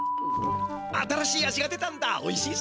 新しい味が出たんだおいしいぞ。